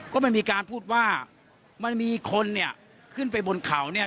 ก็ไม่มีการพูดว่ามันมีคนเนี่ยขึ้นไปบนเขาเนี่ย